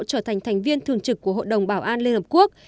trở thành thành viên thường trực của hội đồng bảo an liên hợp quốc